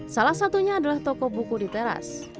salah satunya adalah toko buku di teras